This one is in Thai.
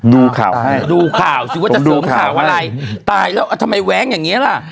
ดูข่าวสิว่าจะสวมข่าวอะไรตายแล้วทำไมแว้งอย่างเงี้ยล่ะ